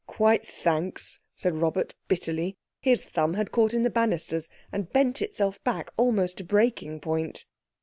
"Quite, thanks," said Robert bitterly. His thumb had caught in the banisters and bent itself back almost to breaking point.